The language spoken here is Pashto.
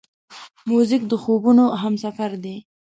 موزیک د خوبونو همسفر دی.